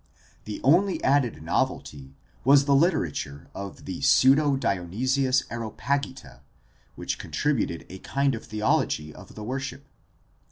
The only added novelty was the literature of the pseudo Dionysius Areopagita which contributed a kind of theology of the worship.